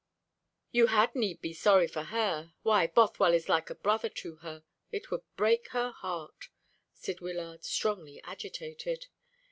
"You had need be sorry for her. Why, Bothwell is like a brother to her. It would break her heart," said Wyllard, strongly agitated.